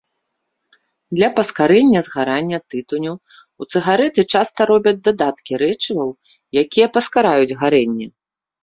Для паскарэння згарання тытуню ў цыгарэты часта робяць дадаткі рэчываў, якія паскараюць гарэнне.